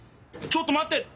ちょっとまって。